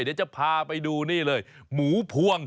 เดี๋ยวจะพาไปดูนี่เลยหมูพวง